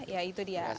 ya itu dia